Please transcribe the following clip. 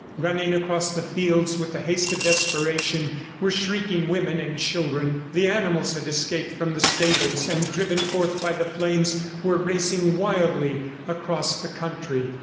Running across the fields with the haste of desperation were shrieking women and children. The animals had escaped from the stables, and driven forth by the flames were racing wildly across the country.